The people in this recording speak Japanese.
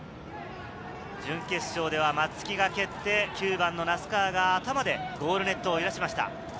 準決勝では松木が蹴って、９番の名須川が頭でゴールネットを揺らしました。